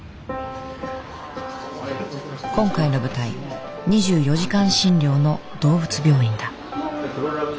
今回の舞台２４時間診療の動物病院だ。